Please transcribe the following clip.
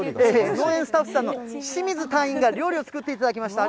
農園スタッフさんの清水隊員が、料理を作っていただきました。